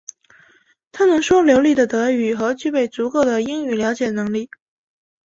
他能说流利的德语和具备足够的英语了解能力。